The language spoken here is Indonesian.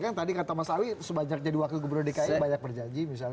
karena tadi kata mas ami sebajak jadi wakil gubernur dki banyak berjanji misalnya